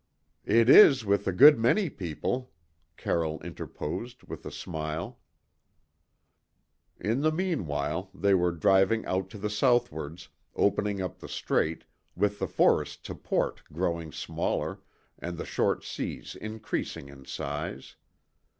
"It is with a good many people," Carroll interposed with a smile. In the meanwhile, they were driving out to the southwards, opening up the Strait, with the forests to port growing smaller and the short seas increasing in size.